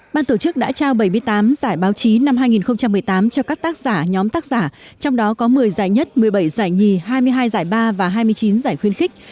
ban tổ chức đã trao bảy mươi tám giải báo chí năm hai nghìn một mươi tám cho các tác giả nhóm tác giả trong đó có một mươi giải nhất một mươi bảy giải nhì hai mươi hai giải ba và hai mươi chín giải khuyên khích